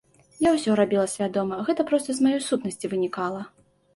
Я ўсё рабіла свядома, гэта проста з маёй сутнасці вынікала.